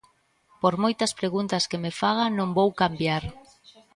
Por moitas preguntas que me faga non vou cambiar.